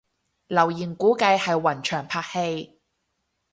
留言估計係雲翔拍戲